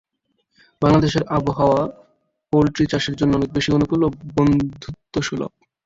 বাংলাদেশের আবহাওয়া পোল্ট্রি চাষের জন্য অনেক বেশি অনুকূল বা বন্ধুত্ব সুলভ।